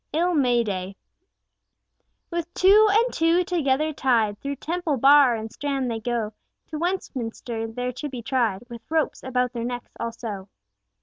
ILL MAY DAY "With two and two together tied, Through Temple Bar and Strand they go, To Westminster, there to be tried, With ropes about their necks also."